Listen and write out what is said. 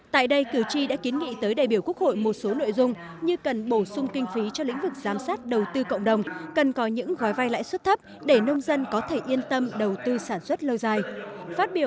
tại đây cử tri đã kiến nghị tới đại biểu quốc hội một số nội dung như cần bổ sung kinh phí cho lĩnh vực giám sát đầu tư cộng đồng cần có những gói vai lãi suất thấp để nông dân có thể yên tâm đầu tư sản xuất lâu dài